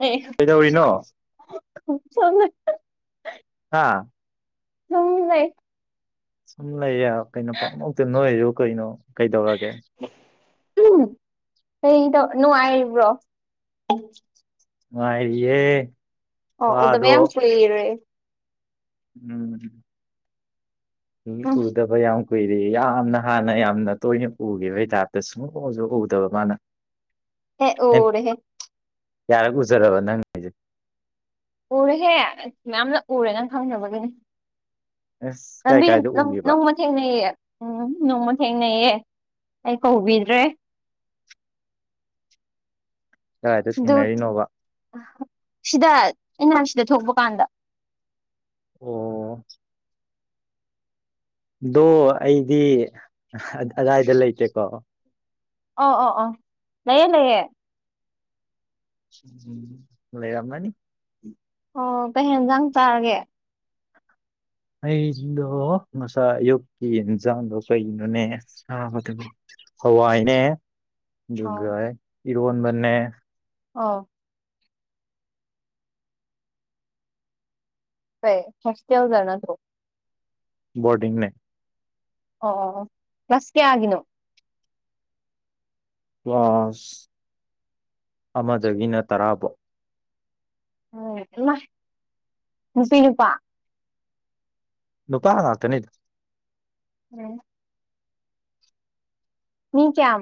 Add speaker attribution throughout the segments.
Speaker 1: ꯑꯦ
Speaker 2: ꯀꯩꯗꯧꯔꯤꯅꯣ
Speaker 1: ꯁ
Speaker 2: ꯍꯥꯥ
Speaker 1: ꯎꯝ ꯂꯩ
Speaker 2: ꯁꯂꯥꯏ ꯌꯥ ꯀꯩꯅꯣ ꯄꯪꯃꯛꯇ ꯅꯣꯏꯣ ꯀꯩꯅꯣ ꯀꯩꯗꯧꯔꯒꯦ
Speaker 1: ꯅꯅꯨꯡꯉꯥꯏꯔꯤꯕ꯭ꯔꯣ
Speaker 2: ꯉꯔꯤꯌꯦꯦ
Speaker 1: ꯑꯣ ꯎꯗꯕꯌꯥꯝ ꯌꯥꯝ ꯀꯏꯔꯦ
Speaker 2: ꯎꯝ ꯎꯝ ꯇꯗ ꯐ ꯀꯨꯏꯔꯤ ꯌꯥꯝꯅ ꯍꯥꯟꯅ ꯌꯥꯝꯅ ꯇꯣꯏꯅ ꯎꯈꯤꯕꯒꯤ ꯇꯥꯏꯞꯇ ꯁꯨꯡꯁꯨ ꯎꯗꯕ ꯃꯥꯅ
Speaker 1: ꯍꯦ ꯑꯣꯔꯍꯦ
Speaker 2: ꯌꯥꯔꯒ ꯎꯖꯔꯕ ꯅꯪ ꯍꯥꯏꯁꯦ
Speaker 1: ꯎꯔꯦꯍꯦ ꯃꯌꯥꯝꯅ ꯎꯔꯦ ꯅꯪ ꯈꯪꯅꯕꯒꯤꯅꯤ
Speaker 2: ꯑꯁ ꯀꯥꯏ
Speaker 1: ꯂꯝꯕꯤꯗ
Speaker 2: ꯀꯥꯏꯗ ꯎꯈꯤꯕ
Speaker 1: ꯅꯣꯡꯃ ꯊꯦꯡꯅꯩꯌꯦ ꯎꯝ ꯅꯣꯡꯃ ꯊꯦꯡꯅꯩꯌꯦ ꯑꯩ ꯀꯧꯕꯤꯗ꯭ꯔꯦ
Speaker 2: ꯀꯗꯥꯏꯗ
Speaker 1: ꯑꯗꯨ
Speaker 2: ꯊꯦꯡꯅꯔꯤꯅꯣꯕ
Speaker 1: ꯁꯤꯗꯥ ꯏꯍꯥꯟꯁꯤꯗ ꯊꯣꯛꯄ ꯀꯥꯟꯗ
Speaker 2: ꯑꯣ ꯑꯣ ꯑꯩꯗꯤ ꯑꯗꯥꯏꯗ ꯂꯩꯇꯦꯀꯣ
Speaker 1: ꯑ ꯑꯣ ꯑ ꯂꯩꯌꯦꯦ ꯂꯩꯌꯦ
Speaker 2: ꯂꯩꯔꯝꯃꯦꯅꯤ
Speaker 1: ꯑꯣ ꯀꯩ ꯍꯦꯟꯖꯥꯡ ꯆꯥꯔꯒꯦ
Speaker 2: ꯑꯩꯗꯣ ꯃꯁꯥ ꯌꯣꯛꯀꯤ ꯑꯦꯟꯖꯥꯝꯗꯣ ꯀꯩꯅꯣꯅꯦ ꯍꯋꯥꯏꯅꯦ ꯌꯒ ꯏꯔꯟꯕꯟꯦ
Speaker 1: ꯑꯥ ꯀꯩ ꯍꯦꯁꯇꯎꯖꯅ ꯊ꯭ꯔꯣ
Speaker 2: ꯕꯣꯔꯗꯤꯤꯡꯅꯦ
Speaker 1: ꯑꯣ ꯑꯣ ꯁ ꯀꯦꯌꯥꯒꯅꯣ
Speaker 2: ꯀ꯭ꯂꯥꯁ ꯑꯃꯗꯒꯤꯅ ꯇꯔꯥꯐꯥꯎ
Speaker 1: ꯎꯝ ꯅꯨꯄꯤ ꯅꯨꯄꯥ
Speaker 2: ꯅꯨꯄꯥ ꯉꯥꯛꯇꯅꯤꯗ
Speaker 1: ꯎꯝ ꯃꯤ ꯀꯌꯥ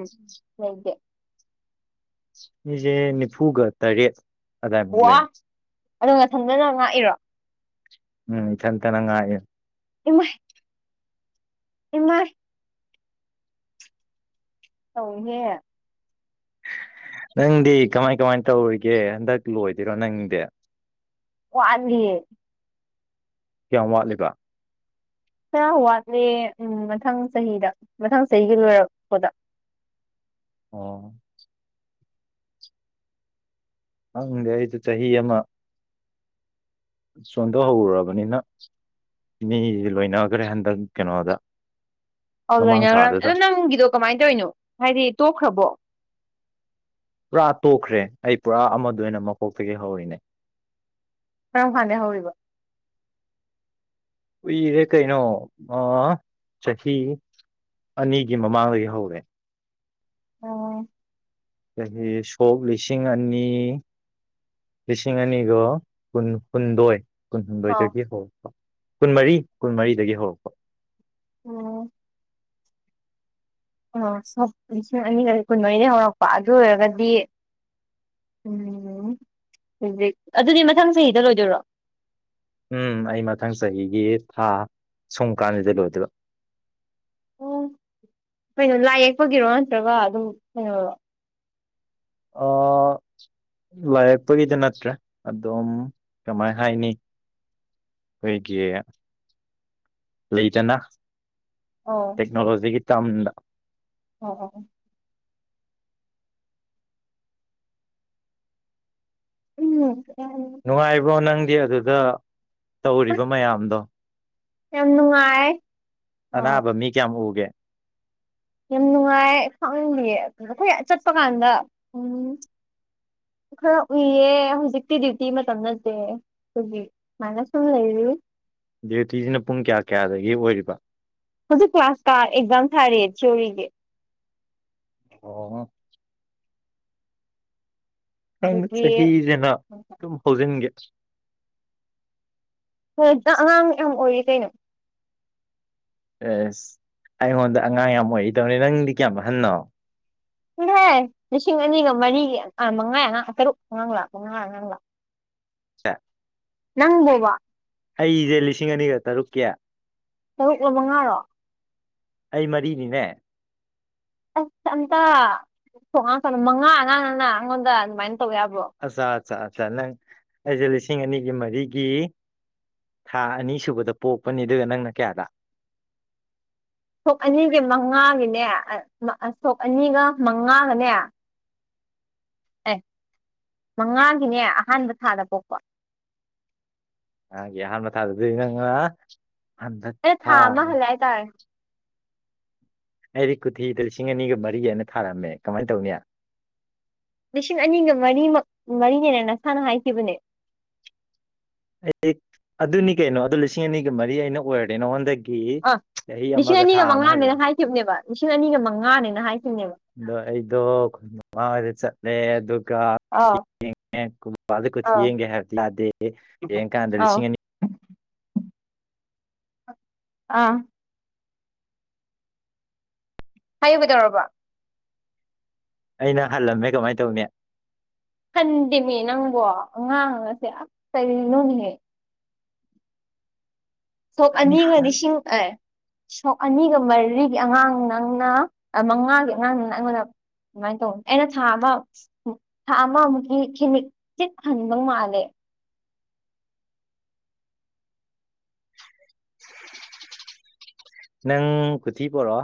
Speaker 1: ꯃꯨꯛꯅꯣ
Speaker 2: ꯃꯤꯁꯦ ꯅꯤꯐꯨꯒ ꯇꯔꯦꯠ ꯑꯗꯨꯗꯥꯏꯃꯨꯛ
Speaker 1: ꯋꯥ
Speaker 2: ꯂꯩ
Speaker 1: ꯑꯗꯣ ꯉꯊꯟꯗꯅ ꯉꯥꯛꯏꯔꯣ
Speaker 2: ꯎꯝ ꯆꯜ ꯇ ꯅꯪꯥꯏ
Speaker 1: ꯏꯃꯥꯏ ꯏꯃꯥꯏ ꯑꯍꯦ
Speaker 2: ꯅꯪꯗꯤ ꯀꯃꯥꯏ ꯀꯃꯥꯏ ꯇꯧꯔꯤꯒꯦ ꯍꯟꯗꯛ ꯂꯣꯏꯗꯣꯏꯔꯣ ꯅꯪꯗꯤ
Speaker 1: ꯋꯥꯂꯤꯦ
Speaker 2: ꯀꯌꯥꯝ ꯋꯥꯠꯂꯤꯕ
Speaker 1: ꯈꯔ ꯋꯥꯠꯂꯦ ꯎꯝ ꯃꯊꯪ ꯆꯍꯤꯗ ꯃꯊꯪ ꯆꯍꯤꯒꯤ ꯂꯣꯏꯔꯛꯄꯗ
Speaker 2: ꯑ ꯍꯪꯗꯦ ꯑꯩꯁꯨ ꯆꯍꯤ ꯑꯃ ꯁꯣꯟꯗꯣꯛꯍꯧꯔꯔꯕꯅꯤꯅ ꯃꯤ ꯂꯣꯏꯅꯈ꯭ꯔꯦ ꯍꯟꯗꯛ ꯀꯩꯅꯣꯗ
Speaker 1: ꯑꯧ
Speaker 2: ꯃꯃꯥꯡ
Speaker 1: ꯂꯣꯏꯅ
Speaker 2: ꯊꯥꯗꯨꯗ
Speaker 1: ꯑꯣ ꯅꯪꯒꯤꯗꯣ ꯀꯃꯥꯏꯅ ꯇꯧꯔꯤꯅꯣ ꯍꯥꯏꯗꯤ ꯇꯣꯛꯈ꯭ꯔꯕꯣ
Speaker 2: ꯄꯨꯔꯥ ꯇꯣꯛꯈ꯭ꯔꯦ ꯑꯩ ꯄꯨꯔꯥ ꯑꯃꯗ ꯑꯣꯏꯅ ꯃꯀꯣꯛꯇꯒꯤ ꯍꯧꯔꯤꯅꯦ
Speaker 1: ꯀꯔꯝ ꯐꯥꯟꯗ ꯍꯧꯔꯤꯕ
Speaker 2: ꯎꯏꯔꯦ ꯀꯩꯅꯣ ꯑ ꯆꯍꯤ ꯑꯅꯤꯒꯤ ꯃꯃꯥꯡꯗꯒꯤ ꯍꯧꯔꯦ
Speaker 1: ꯑ
Speaker 2: ꯆꯍꯤ ꯁꯣꯛ ꯂꯤꯁꯤꯡ ꯑꯅꯤ ꯂꯤꯁꯤꯡ ꯑꯅꯤꯒ ꯀꯨꯟ ꯍꯨꯨꯝꯗꯣꯏ
Speaker 1: ꯑꯣ
Speaker 2: ꯀꯨꯟꯍꯨꯝꯗꯣꯏꯗꯒꯤ ꯍꯧꯔꯛꯄ ꯀꯨꯟꯃꯔꯤ ꯀꯨꯟꯃꯔꯤꯗꯒꯤ ꯍꯧꯔꯛꯄꯣ
Speaker 1: ꯎꯝ ꯑ ꯁ ꯂꯤꯁꯤꯡ ꯑꯅꯤꯒ ꯀꯨꯟꯃꯔꯤꯗꯒꯤꯩ ꯍꯧꯔꯛꯄ ꯑꯗꯨ ꯑꯣꯏꯔꯒꯗꯤ ꯎꯝ ꯍꯧꯖꯤꯛ ꯑꯗꯨꯗꯤ ꯃꯊꯪ ꯆꯍꯤꯗ ꯂꯣꯏꯗꯣꯏꯔꯣ
Speaker 2: ꯎꯝ ꯑꯩ ꯃꯊꯪ ꯆꯍꯤꯒꯤ ꯊꯥ ꯁꯨꯝ ꯀꯥꯟꯁꯤꯗ ꯂꯣꯏꯗꯕ
Speaker 1: ꯑꯣ ꯀꯩꯅꯣ ꯂꯥꯏ ꯌꯦꯛꯄꯒꯤꯔꯣ ꯅꯠꯇ꯭ꯔꯒ ꯑꯗꯨꯝ ꯀꯩꯅꯣ
Speaker 2: ꯑ ꯂꯥꯏꯔꯛꯄꯒꯤꯗ ꯅꯠꯇ꯭ꯔꯦ ꯑꯗꯨꯝ ꯀꯃꯥꯏ ꯍꯥꯏꯅꯤ ꯑꯩꯈꯣꯏꯒꯤ ꯂꯩꯗꯅ ꯇꯦꯛꯅꯣꯂꯣꯖꯤꯒꯤ ꯇꯝꯗ
Speaker 1: ꯑ ꯎꯝ
Speaker 2: ꯅꯨꯡꯉꯥꯏꯕ꯭ꯔꯣ ꯅꯪꯗꯤ ꯑꯗꯨꯗ ꯇꯧꯔꯤꯕ ꯃꯌꯥꯝꯗꯣ
Speaker 1: ꯌꯥꯝꯅ ꯍꯥꯏꯑ
Speaker 2: ꯑꯅꯥꯕꯝꯃꯤ ꯀꯌꯥꯃ ꯎꯒꯦ
Speaker 1: ꯌꯥꯝ ꯅꯨꯡꯉꯥꯏ ꯈꯪꯅꯤꯡꯌꯦ ꯑꯩꯈꯣꯏ ꯆꯠꯄ ꯀꯥꯟꯗ ꯎꯝ ꯍ ꯈꯔ ꯎꯏꯌꯦ ꯍꯧꯖꯤꯛꯇꯤ ꯗ꯭ꯌꯨꯇꯤ ꯃꯇꯝ ꯅꯁꯦ ꯑꯩꯈꯒꯤ ꯁꯨꯃꯥꯏꯅ ꯁꯨꯝ ꯂꯩꯔꯤ
Speaker 2: ꯗ꯭ꯌꯨꯇꯤꯁꯤꯅ ꯄꯨꯡ ꯀꯌꯥ ꯀꯌꯥꯗꯒꯤ ꯑꯣꯏꯔꯤꯕ
Speaker 1: ꯍꯧꯖꯤꯛ ꯀ꯭ꯂꯥꯁ ꯀ ꯑꯦꯛꯖꯥꯝ ꯊꯥꯔꯤ ꯊꯤꯔꯤꯒꯤ
Speaker 2: ꯑꯣ ꯅꯪ
Speaker 1: ꯑꯗꯨꯒꯤ
Speaker 2: ꯆꯍꯤꯁꯤꯦꯅ ꯑꯗꯨꯝ ꯍꯧꯖꯤꯟꯒꯦ
Speaker 1: ꯍꯣꯏ ꯑꯉꯥꯡ ꯌꯥꯝ ꯑꯣꯏꯔꯤ ꯀꯩꯅꯣ
Speaker 2: ꯑꯦꯁ ꯑꯩꯉꯣꯟꯗ ꯑꯉꯥꯡ ꯌꯥꯝ ꯑꯣꯏꯔꯤꯗꯧꯅꯤ ꯅꯪꯗꯤ ꯀꯌꯥꯝ ꯑ ꯍꯟꯅꯣ
Speaker 1: ꯎꯍꯦ ꯂꯤꯁꯤꯡ ꯑꯅꯤꯒ ꯃꯔꯤꯒꯤ ꯃꯉꯥ ꯇꯔꯨꯛ ꯑꯉꯥꯡ ꯂꯥꯛ ꯃꯉꯥ ꯑꯉꯥꯡ ꯂꯥꯛ
Speaker 2: ꯑ
Speaker 1: ꯅꯪꯕꯣꯕꯥ
Speaker 2: ꯑꯩꯁꯦ ꯂꯤꯁꯤꯡ ꯑꯅꯤꯒ ꯇꯔꯨꯛꯀꯤ
Speaker 1: ꯇꯔꯨꯛꯂ ꯃꯉꯥꯔꯣ
Speaker 2: ꯑꯩ ꯃꯔꯤꯅꯤꯅꯦ
Speaker 1: ꯑꯁ ꯑꯝꯇ ꯁꯣꯉꯥꯡ ꯃꯉꯥ ꯑꯉꯥꯡꯅ ꯑꯩꯉꯣꯟꯗ ꯑꯗꯨꯃꯥꯏꯅ ꯇꯧ ꯌꯥꯕ꯭ꯔꯣ
Speaker 2: ꯑ ꯑ ꯅꯪ ꯑꯩꯁꯦ ꯂꯤꯁꯤꯡ ꯑꯅꯤꯒꯤ ꯃꯔꯤꯒꯤ ꯊꯥ ꯑꯅꯤ ꯁꯨꯕꯗ ꯄꯣꯛꯄꯅꯤ ꯑꯗꯨꯒ ꯅꯪꯅ ꯀꯌꯥꯗ
Speaker 1: [inaudible] ꯁꯣꯛ ꯑꯅꯤꯁꯦ ꯃꯉꯥꯒꯤꯅꯦ ꯁꯣꯛ ꯑꯅꯤꯒ ꯃꯉꯥꯒꯅꯦ ꯑꯦ ꯃꯉꯥꯒꯤꯅꯦ ꯑꯍꯥꯟꯕ ꯊꯥꯗ ꯄꯣꯛꯄ
Speaker 2: ꯦ ꯍꯥꯟꯕ ꯊꯥꯗ ꯅꯪ ꯍꯟꯗ
Speaker 1: ꯑꯩꯅ ꯊꯥ ꯑꯃ
Speaker 2: ꯊꯥꯕ
Speaker 1: ꯍꯜꯂꯦ ꯍꯥꯏꯇꯥꯔꯦ
Speaker 2: ꯑꯩꯗꯤ ꯀꯨꯊꯤꯗ ꯂꯤꯁꯤꯡ ꯑꯅꯤꯒ ꯃꯔꯤꯑꯅ ꯊꯥꯔꯛꯑꯝꯃꯦ ꯀꯃꯥꯏꯅ ꯇꯧꯅꯤ
Speaker 1: ꯂꯤꯁꯤꯡ ꯑꯅꯤꯒ ꯃꯔꯤꯃꯛ ꯃꯔꯤꯅꯦꯅ ꯅꯁꯥꯅ ꯍꯥꯏꯈꯤꯕꯅꯦ
Speaker 2: ꯑꯗꯨꯅꯤ ꯀꯩꯅꯣ ꯑꯗꯨ ꯂꯤꯁꯤꯡ ꯑꯅꯤꯒ ꯃꯔꯤ ꯑꯩꯅ ꯑꯣꯏꯔꯦ ꯅꯉꯣꯟꯗꯒꯤ
Speaker 1: ꯑ
Speaker 2: ꯆꯍꯤ
Speaker 1: ꯂꯤꯁꯤꯡ
Speaker 2: ꯑꯃꯒ ꯊꯥ
Speaker 1: ꯑꯅꯤꯒ
Speaker 2: ꯑꯃ
Speaker 1: ꯃꯉꯥꯅꯦꯅ
Speaker 2: ꯍꯜꯂ
Speaker 1: ꯍꯥꯏꯈꯤꯕꯅꯦꯕ ꯂꯤꯁꯤꯡ ꯑꯅꯤꯒ ꯃꯉꯥꯅꯦꯅ ꯍꯥꯏ
Speaker 2: ꯑꯗꯣ ꯑꯩꯗꯣꯃꯥꯡꯗ ꯆꯠꯂꯦ ꯑꯗꯨꯒ
Speaker 1: ꯑꯥꯎ
Speaker 2: ꯉ ꯊ
Speaker 1: ꯑꯥꯎ
Speaker 2: ꯌꯦꯡꯒꯦ ꯍꯥꯏꯕꯗꯤ ꯌꯥꯗꯦ ꯌꯦꯡꯀꯥꯟꯗ
Speaker 1: ꯑꯥꯎ
Speaker 2: ꯂꯤꯁꯤꯡ ꯑꯅꯤ
Speaker 1: ꯑꯥ ꯍꯥꯏꯌꯨꯕꯗꯧꯔꯕ
Speaker 2: ꯑꯩꯅ ꯍꯜꯂꯝꯃꯦ ꯀꯃꯥꯏꯅ ꯇꯧꯅꯤ
Speaker 1: ꯈꯟꯗꯦꯅꯦ ꯅꯪꯕꯣ ꯑꯉꯥꯡꯉꯁꯦ ꯑ ꯀꯔꯤꯅꯅꯨꯡꯍꯦ ꯁꯣꯛ
Speaker 2: ꯌꯥꯝ
Speaker 1: ꯑꯅꯤꯒ
Speaker 2: ꯍꯜ
Speaker 1: ꯂꯤꯁꯤꯡ ꯑꯦ ꯁꯣꯛ ꯑꯅꯤꯒ ꯃꯔꯤꯒꯤ ꯑꯉꯥꯡ ꯅꯪꯅ ꯃꯉꯥꯒꯤ ꯑꯉꯥꯡ ꯅꯅꯪ ꯑꯩꯉꯣꯟꯗ ꯑꯗꯨꯨꯃꯥꯏꯅ ꯇꯧ ꯑꯩꯅ ꯊꯥ ꯑꯃ ꯊꯥ ꯑꯃꯃꯨꯛꯀꯤ ꯈꯦꯃꯤꯠ ꯆꯤꯠ ꯍꯟꯕꯧ ꯃꯥꯜꯂꯦ
Speaker 2: ꯅꯪ ꯈꯨꯠꯇꯤ ꯄꯔꯣ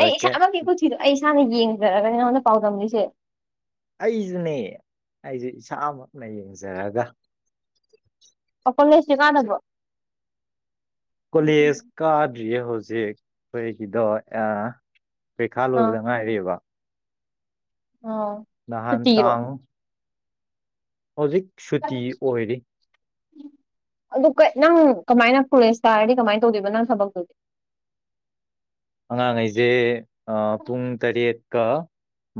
Speaker 1: ꯑꯩ ꯏꯁꯥꯃꯛꯀꯤ ꯄꯨꯊꯤꯗꯣ ꯑꯩ ꯏꯁꯥꯅ ꯌꯦꯡꯖꯔꯒꯅꯦ ꯅꯉꯣꯟꯗ ꯄꯥꯎꯗꯝꯂꯤꯁꯦ
Speaker 2: ꯑꯩꯁꯨꯅꯦ ꯑꯩꯁꯦ ꯏꯁꯥꯃꯛꯅ ꯌꯦꯡꯖꯔꯒ
Speaker 1: ꯑꯄꯪꯉꯩꯁ ꯀꯥꯟꯅꯕ
Speaker 2: ꯀꯣꯂꯦꯖ ꯀꯥꯗ꯭ꯔꯤꯌꯦ ꯍꯧꯖꯤꯛ ꯑꯩꯈꯣꯏꯒꯤꯗꯣ ꯑ ꯄꯩꯈꯥ
Speaker 1: ꯑꯥ
Speaker 2: ꯂꯣꯏꯕꯗ ꯉꯥꯏꯔꯤꯕ
Speaker 1: ꯑꯥ
Speaker 2: ꯅꯍꯥꯟ
Speaker 1: ꯁꯨꯇꯤꯔꯣ
Speaker 2: ꯇꯥꯡ ꯍꯧꯖꯤꯛ ꯁꯨꯇꯤ ꯑꯣꯏꯔꯤ
Speaker 1: ꯑꯗꯨ ꯅꯪ ꯀꯃꯥꯏꯅ ꯄꯨꯔꯤꯁ ꯀꯥꯔꯗꯤ ꯀꯃꯥꯏꯅ ꯇꯧꯗꯣꯏꯕ ꯅꯪ ꯊꯕꯛꯇꯨꯗꯤ [inaudible]
Speaker 2: ꯑꯉꯥꯡ ꯈꯩꯁꯦ ꯄꯨꯡ ꯇꯔꯦꯠ ꯀ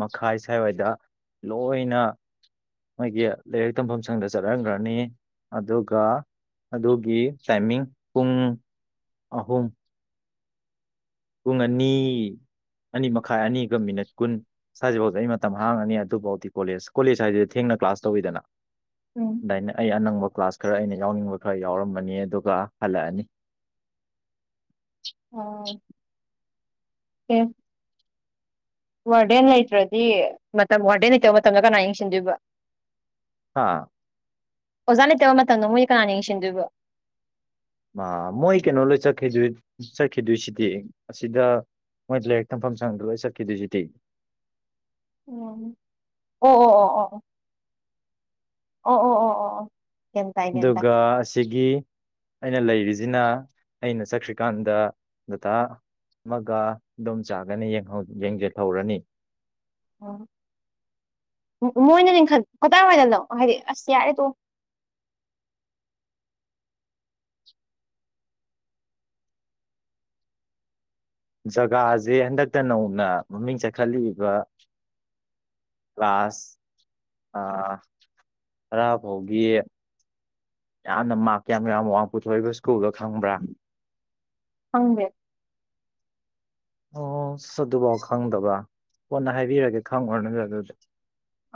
Speaker 2: ꯃꯈꯥꯏ ꯁ꯭ꯥꯏꯋꯥꯏꯗ ꯂꯣꯏꯅ ꯃꯣꯏꯒꯤ ꯂꯥꯏꯔꯤꯛ ꯇꯝꯐꯝ ꯁꯪꯗ ꯆꯠꯍꯟꯈ꯭ꯔꯅꯤ ꯑꯗꯨꯒ ꯑꯗꯨꯒꯤ ꯇꯥꯏꯃꯤꯡ ꯄꯨꯡ ꯑꯍꯨꯝ ꯄꯨꯡ ꯑꯅꯤ ꯑꯅꯤ ꯃꯈꯥꯏ ꯑꯅꯤꯒ ꯃꯤꯅꯤꯠ ꯀꯨꯟ ꯁ꯭ꯋꯥꯏꯁꯤꯐꯥꯎꯗ ꯑꯩ ꯃꯇꯝ ꯍꯥꯡꯉꯅꯤ ꯑꯗꯨꯐꯥꯎꯗꯤ ꯀꯣꯂꯦꯖ ꯀꯣꯂꯦꯖ ꯍꯥꯏꯁꯤꯗꯤ ꯊꯦꯡꯅ ꯀ꯭ꯂ ꯇꯧꯔꯤꯗꯅ
Speaker 1: ꯎꯝ
Speaker 2: ꯑꯗꯥꯏꯅꯥ ꯑꯩ ꯑꯅꯪꯕꯥ ꯀꯂ꯭ꯥꯁ ꯈꯔꯥ ꯑꯩꯅꯥ ꯌꯥꯎꯅꯤꯡꯕꯥ ꯈꯔꯥ ꯌꯥꯎꯔꯝꯃꯅꯤ ꯑꯗꯨꯒꯥ ꯍꯜꯂꯛꯑꯥꯅꯤ
Speaker 1: ꯑꯦ ꯋꯥꯔꯗꯦꯟ ꯂꯩꯇ꯭ꯔꯗꯤ ꯃꯇꯝ ꯋꯥꯔꯗꯦꯟ ꯂꯩꯇꯕ ꯃꯇꯝꯗ ꯀꯅꯥ ꯌꯦꯡꯁꯤꯟꯗꯣꯏꯕ
Speaker 2: ꯑꯥ
Speaker 1: ꯑꯣꯖꯥ ꯂꯩꯇꯕ ꯃꯇꯝꯗꯣ ꯃꯣꯏꯁ ꯀꯅꯥꯅ ꯌꯦꯡꯁꯤꯟꯗꯣꯏꯕꯣ
Speaker 2: ꯃꯣꯏ ꯀꯩꯅꯣ ꯂꯣꯏ ꯆꯠ ꯆꯠꯈꯤꯗꯣꯏꯁꯤꯗꯤ ꯑꯁꯤꯗ ꯃꯣꯏ ꯂꯥꯏꯔꯤꯛ ꯇꯝꯐꯝ ꯁꯪꯗ꯭ꯔ ꯂꯣꯏ ꯆꯠꯈꯤꯗꯣꯏꯁꯤꯗꯤ
Speaker 1: ꯎꯝ ꯑꯣ ꯑꯣ ꯑꯣ ꯑꯣ ꯑꯣ ꯑꯣ ꯑꯣ ꯑꯣ ꯒ꯭ꯌꯥꯟ ꯇꯥꯏ ꯒ꯭ꯌꯥꯟ ꯇꯥꯏ
Speaker 2: ꯑꯗꯨꯒ ꯑꯁꯤꯒꯤ ꯑꯩꯅ ꯂꯩꯔꯤꯁꯤꯅ ꯑꯩꯅ ꯆꯈ꯭ꯔꯤꯀꯥꯟꯗ ꯗꯥꯗꯥ ꯑꯃꯒ ꯏꯗꯣꯝꯆꯥꯒꯅꯤ ꯌꯦꯡꯖꯜꯍꯧꯔꯅꯤ
Speaker 1: ꯑ ꯃꯣꯏꯅ ꯂꯤꯡꯈꯠ ꯀꯗꯥꯏꯋꯥꯏꯗꯅꯣ ꯍꯥꯏꯗꯤ ꯑꯁ ꯌꯥꯔꯦ ꯇꯣꯛ ꯑꯣ [inaudible]
Speaker 2: ꯖꯒꯥꯁꯦ ꯍꯟꯗꯛꯇ ꯅꯧꯅ ꯃꯃꯤꯡ ꯆꯠꯈꯠꯂꯛꯏꯕ ꯀ꯭ꯂꯥꯁ ꯑꯥ ꯇꯔꯥ ꯐꯥꯎꯗꯤ ꯌꯥꯝꯅ ꯃꯥꯔꯛ ꯀ ꯌꯥꯝ ꯌꯥꯝ ꯋꯥꯡ ꯄꯨꯊꯣꯛꯏꯕ ꯁ꯭ꯀꯨꯜꯗꯣ ꯈꯪꯕ꯭ꯔꯥ
Speaker 1: ꯈꯪꯗꯦ
Speaker 2: ꯑꯣ ꯑꯁ ꯑꯗꯨꯐꯥꯎ ꯈꯪꯗꯕ ꯀꯣꯟꯅ ꯍꯥꯏꯕꯤꯔꯒꯦ ꯈꯪꯉꯨꯔꯅꯨ꯫ꯑꯗꯨꯗꯤ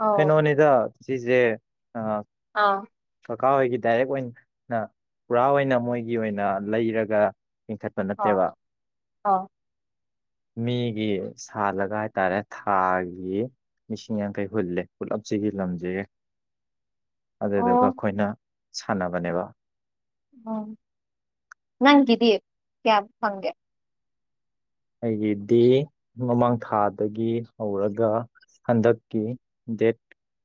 Speaker 1: ꯑꯧ
Speaker 2: ꯀꯩꯅꯣꯅꯤꯗ ꯁꯤꯁꯦ ꯑ
Speaker 1: ꯑꯥ
Speaker 2: ꯀꯀꯥ ꯍꯣꯏꯒꯤ ꯗꯥꯏꯔꯦꯛ ꯑꯣꯏꯅꯥ ꯄꯨꯔꯥ ꯑꯣꯏꯅ ꯃꯣꯏꯒꯤ ꯑꯣꯏꯅ ꯂꯩꯔꯒ ꯂꯤꯡꯈꯠꯄ
Speaker 1: ꯑꯥ
Speaker 2: ꯅꯠꯇꯦꯕ
Speaker 1: ꯑꯥ
Speaker 2: ꯃꯤꯒꯤ ꯁꯥꯜꯂꯒ ꯍꯥꯏꯇꯥꯔꯦ ꯊꯥꯒꯤ ꯂꯤꯁꯤꯡ ꯌꯥꯡꯈꯩ ꯍꯨꯜꯂꯦ ꯄꯨꯂꯞꯁꯤꯒꯤ ꯂꯝꯁꯤꯒꯦ ꯑꯗꯨꯗꯨꯒ
Speaker 1: ꯑꯣ
Speaker 2: ꯑꯩꯈꯣꯏꯅ ꯁꯥꯟꯅꯕꯅꯦꯕ
Speaker 1: ꯎꯝ ꯅꯪ ꯒꯤꯗꯤ ꯀꯌꯥ ꯐꯪꯒꯦ
Speaker 2: ꯑꯩꯒꯤ ꯗꯤ ꯃꯃꯥꯡ ꯊꯥꯗꯒꯤ ꯍꯧꯔꯒ ꯍꯟꯗꯛꯀꯤ ꯗꯦꯠ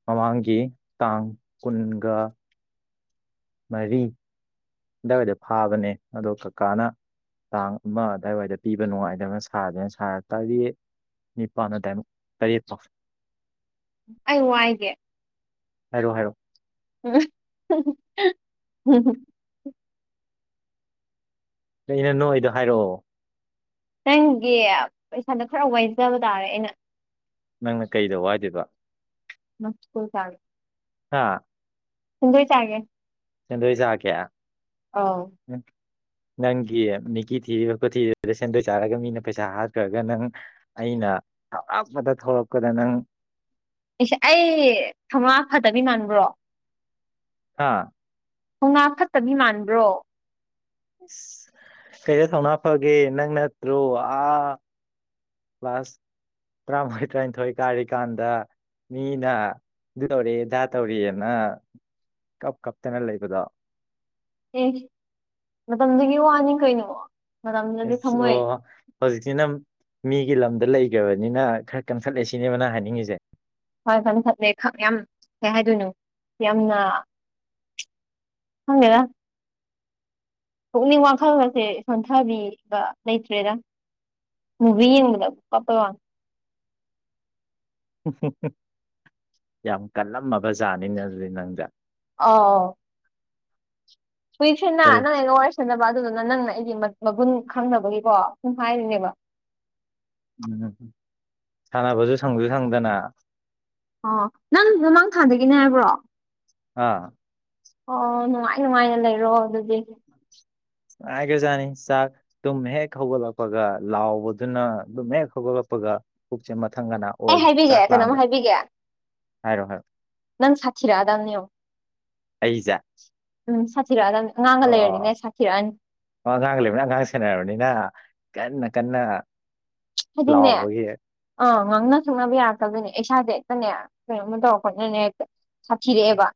Speaker 2: ꯃꯃꯥꯡꯒꯤ ꯇꯥꯡ ꯀꯨꯟꯒ ꯃꯔꯤ ꯑꯗꯨꯋꯥꯏꯗ ꯐꯥꯕꯅꯦ ꯑꯗꯣ ꯀꯀꯥꯅ ꯇꯥꯡ ꯑꯃ ꯑꯗꯥꯏꯋꯥꯏꯗ ꯄꯤꯕ ꯅꯨꯡꯉꯥꯏꯅꯥꯕ ꯁꯥꯒꯦꯅ ꯁꯥꯔ ꯇꯥꯔꯦꯠ ꯅꯤꯄꯥꯥꯟꯅ ꯑꯗꯥꯏ ꯃꯨꯛ ꯇꯔꯦꯠ ꯐꯥꯎ
Speaker 1: ꯑꯩ ꯋꯥꯏꯒꯦ
Speaker 2: ꯍꯥꯏꯔꯣ ꯍꯥꯏꯔꯣ
Speaker 1: ꯎꯝꯝ
Speaker 2: ꯅꯩꯅ ꯅꯣꯏ ꯑꯩꯗꯣ ꯍꯥꯏꯔꯛꯑꯣ
Speaker 1: ꯅꯪꯒꯤ ꯄꯩꯁꯥꯗ ꯈꯔ ꯋꯥꯏꯖꯕ ꯇꯥꯔꯦ ꯑꯩꯅ
Speaker 2: ꯅꯪꯅ ꯀꯩꯗ ꯋꯥꯗꯦꯕ
Speaker 1: ꯃꯁ ꯀꯜ ꯆꯒ
Speaker 2: ꯑꯥ
Speaker 1: ꯁꯤꯗ ꯆꯥꯒꯦ
Speaker 2: ꯆꯗꯣꯏꯁꯥ ꯀꯌꯥ
Speaker 1: ꯑꯥꯎ
Speaker 2: ꯅꯪꯒꯤ ꯃꯤꯀꯤ ꯊꯤꯣꯊꯤꯗ ꯁꯦꯟꯗꯣꯏ ꯆꯥꯔꯒ ꯃꯤꯅ ꯄꯩꯁꯥ ꯍꯥꯠꯈ꯭ꯔꯒ ꯅꯪ ꯑ ꯑꯩꯅ ꯑꯔꯞꯄꯗ ꯊꯧꯔꯛꯄꯗ ꯅꯪ
Speaker 1: ꯑꯩꯁ ꯑꯩ ꯊꯧꯥ ꯐꯗꯕꯤ ꯃꯥꯟꯕ꯭ꯔꯣ
Speaker 2: ꯍꯥꯥ
Speaker 1: ꯍ ꯉꯥ ꯐꯠꯇꯕꯤ ꯃꯥꯟꯕ꯭ꯔꯣ
Speaker 2: ꯁ ꯀꯩꯗ ꯊꯧꯅꯥ ꯐꯒꯦ ꯅꯪ ꯅꯠꯇ꯭ꯔꯣ ꯑꯥ ꯀ꯭ꯂꯥꯁ ꯇꯔꯥꯃꯉꯥꯏ ꯇꯔꯥꯅꯤꯊꯣꯏ ꯀꯥꯔꯤꯀꯥꯟꯗ ꯃꯤꯅ ꯑꯗꯨ ꯇꯧꯇꯛ ꯑ ꯑꯗ ꯇꯧꯔꯥꯛ ꯑ ꯅꯥ ꯀꯞ ꯀꯞꯇꯅ ꯂꯩꯕꯗ
Speaker 1: ꯑꯦ ꯃꯇꯝꯗꯨꯒꯤ ꯋꯥꯅꯤ ꯀꯩꯅꯣ ꯃꯇꯝꯗꯨꯗꯗꯤ ꯊꯃꯣꯏ
Speaker 2: ꯑꯣ ꯍꯧꯖꯤꯛꯇꯤ ꯅꯪ ꯃꯤꯒꯤ ꯂꯝꯗ ꯂꯩꯈꯕꯅꯤꯅ ꯈꯔ ꯀꯟꯈꯠꯂ ꯁꯤꯅꯦꯕꯅ ꯍꯥꯏꯅꯤꯡꯉꯤꯁꯦ
Speaker 1: ꯐꯔꯦ ꯐꯅꯤꯦ ꯐꯠꯂꯦ ꯌꯥꯝ ꯀꯩ ꯍꯥꯏꯗꯣꯏꯅꯣ ꯌꯥꯝꯅ ꯍꯉꯦꯗ ꯄꯨꯛꯅꯤꯡ ꯋꯥꯈꯜ ꯑꯁꯦ ꯁꯣꯟꯊꯕꯤꯕ ꯂꯩꯇ꯭ꯔꯦꯔ ꯃꯚ ꯃ ꯀꯄ
Speaker 2: ꯌꯥꯝ ꯀꯜꯂꯝꯃꯕꯖꯥꯠꯅꯤꯅ ꯑꯗꯨꯗꯤ ꯅꯪꯗ
Speaker 1: ꯑ ꯀꯨꯏꯁꯤꯦꯅ ꯅꯪ ꯑꯩꯒ ꯋꯥꯔꯤꯁꯟꯅꯕ ꯑꯗꯨꯗꯨꯅ ꯅꯪ ꯂꯩ ꯑꯩꯒꯤ ꯃꯒꯨꯟ ꯈꯪꯅꯕꯒꯤꯀꯣ ꯄꯨꯡꯐꯥꯏꯔꯤꯅꯦꯕ
Speaker 2: ꯎꯝ ꯎꯝ ꯁꯥꯟꯅꯕꯁꯨ ꯁꯪꯁꯨ ꯁꯪꯗꯅ
Speaker 1: ꯑꯣ ꯅꯪ ꯃꯃꯥꯡ ꯊꯥꯗꯒꯤꯅꯦ ꯍꯥꯏꯕ꯭ꯔꯣ
Speaker 2: ꯑꯥ
Speaker 1: ꯑꯣ ꯅꯨꯡꯉꯥꯏ ꯅꯨꯡꯉꯥꯏꯅ ꯂꯩꯔꯣ ꯑꯗꯨꯗꯤ
Speaker 2: ꯉꯈ꯭ꯔꯖꯥꯠꯅꯤ ꯆꯥꯛ ꯑꯗꯨꯨꯝ ꯍꯦꯛ ꯍꯧꯒꯠꯂꯛꯄꯒ ꯂꯥꯎꯕꯗꯨꯅ ꯑꯗꯨꯝ ꯍꯦꯛ ꯍꯧꯒꯠꯂꯛꯄ ꯈ ꯃ
Speaker 1: ꯑꯦ ꯍꯥꯏꯕꯤꯒꯦ ꯀꯩꯅꯣꯝ ꯍꯥꯏꯕꯤꯒꯦ
Speaker 2: ꯍꯥꯏꯔꯣ ꯍꯥꯏꯔꯣ
Speaker 1: ꯅꯪ ꯁꯥꯊꯤꯔ ꯑꯗꯥꯝꯅꯤꯌ
Speaker 2: ꯑꯩꯖ
Speaker 1: ꯁꯥꯊꯤꯔꯛꯑꯗꯝꯅꯦ ꯑꯉꯥꯡꯒ
Speaker 2: ꯑꯣ ꯑꯣ
Speaker 1: ꯂꯩꯔꯗꯤꯅꯦ ꯁꯥꯊꯤꯔꯛꯑꯅꯤ
Speaker 2: ꯑꯣ ꯑꯉꯥꯡ ꯂꯩꯕꯅ ꯑꯉꯥꯡ ꯁꯦꯟꯅꯔꯕꯅꯤꯅ ꯀꯟꯅ ꯀꯟꯅ
Speaker 1: ꯑꯗꯨꯟꯅ
Speaker 2: ꯂꯥꯎꯕꯒꯤ
Speaker 1: ꯑꯥ ꯉꯥꯡꯅ ꯁꯨꯅꯕ ꯌꯥꯔꯛꯇꯕꯗꯨꯣꯏꯅꯦ ꯏꯁꯥꯗ ꯍꯦꯛꯇꯅꯦ ꯀꯩꯅꯣꯃ ꯇꯧꯔ ꯈꯣꯠꯅꯅꯦ ꯍꯦꯛꯇ ꯁꯥꯊꯤꯔꯛꯑꯦꯕ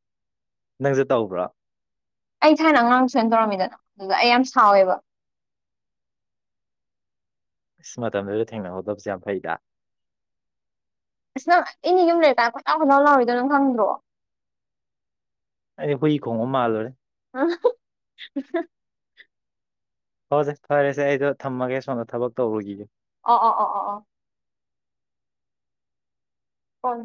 Speaker 2: ꯅꯪꯁꯦ ꯇꯧꯕ꯭ꯔꯥ
Speaker 1: ꯑꯩ ꯊꯥꯏꯅ ꯑꯉꯥꯡ ꯁꯥꯏꯅ ꯇꯧꯔꯝꯃꯤꯗꯅ ꯑꯗꯨꯗ ꯑꯩ ꯌꯥꯝ ꯁꯥꯎꯋꯦꯕ [inaudible]
Speaker 2: ꯏꯁ ꯃꯇꯝꯗꯨꯗ ꯊꯦꯡꯅꯍꯧꯗꯕꯁꯦ ꯌꯥꯝ ꯐꯩꯗ
Speaker 1: ꯑꯁ ꯅꯪ ꯏꯅꯤ ꯌꯨꯝ ꯂꯩꯔꯀꯥꯏ ꯈꯠꯇꯎ ꯈꯗꯥꯥꯎ ꯂꯥꯎꯔꯤꯣꯏꯗꯣ ꯅꯪ ꯈꯪꯗ꯭ꯔꯣ
Speaker 2: ꯑꯩꯗꯤ ꯍꯨꯏ ꯈꯣꯡꯕ ꯃꯥꯜꯂꯨꯔꯦ
Speaker 1: [inaudible]
Speaker 2: ꯍꯁꯦ ꯐꯔꯦꯁꯦ ꯑꯩꯗꯣ ꯊꯝꯃꯒꯦ ꯁꯣꯝꯗ ꯊꯕꯛ ꯇꯧꯔꯨꯈꯤꯒꯦ
Speaker 1: ꯑꯣ ꯑꯣ ꯑꯣ ꯑꯣ ꯑꯣ ꯀꯟ